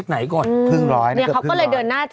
มันก็รู้อยู่แล้ว